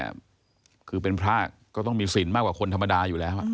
คือเป็นพระก็ต้องมีสินมากกว่าคนธรรมดาอยู่แล้ว